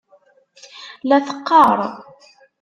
La teqqaṛ.